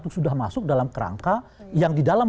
sudah masuk dalam kerangka yang di dalam